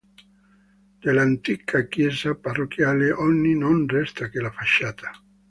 Dell'antica chiesa parrocchiale oggi non resta che la facciata.